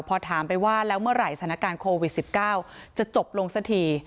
พอถามไปว่าแล้วเมื่อไหร่สถานการณ์โควิด๑๙จะจบลงสักที